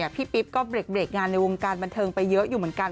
พี่ปิ๊บก็เบรกงานในวงการบันเทิงไปเยอะอยู่เหมือนกัน